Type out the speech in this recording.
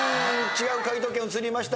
解答権移りました。